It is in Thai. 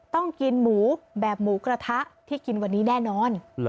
ต้องกินหมูแบบหมูกระทะที่กินวันนี้แน่นอน